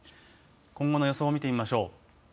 今後の予想を見てみましょう。